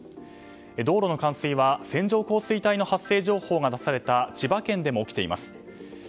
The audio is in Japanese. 道路の冠水は線状降水帯の発生情報が出された千葉県でも起きています。